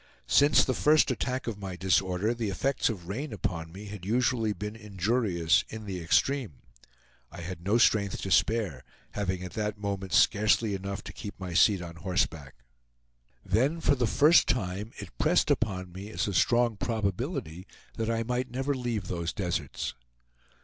Since the first attack of my disorder the effects of rain upon me had usually been injurious in the extreme. I had no strength to spare, having at that moment scarcely enough to keep my seat on horseback. Then, for the first time, it pressed upon me as a strong probability that I might never leave those deserts.